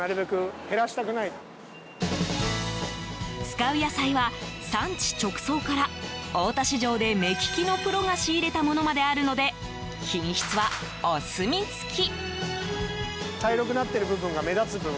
使う野菜は、産地直送から大田市場で目利きのプロが仕入れたものまであるので品質はお墨付き。